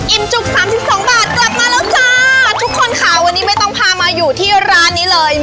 จุก๓๒บาทกลับมาแล้วจ้าทุกคนค่ะวันนี้ไม่ต้องพามาอยู่ที่ร้านนี้เลย